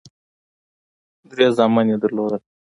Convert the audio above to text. درې زامن یې درلودل.